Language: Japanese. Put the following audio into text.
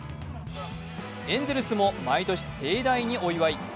エンゼルスも毎年盛大にお祝い。